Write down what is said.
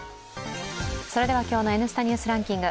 今日の「Ｎスタ・ニュースランキング」